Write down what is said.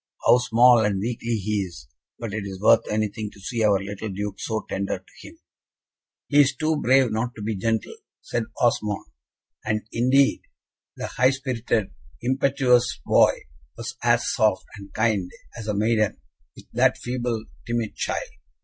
How small and weakly he is, but it is worth anything to see our little Duke so tender to him." "He is too brave not to be gentle," said Osmond; and, indeed, the high spirited, impetuous boy was as soft and kind as a maiden, with that feeble, timid child.